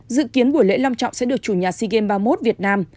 dự kiến buổi lễ long trọng sẽ được chủ nhà sea games ba mươi một việt nam